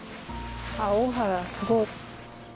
あっ大原すごい。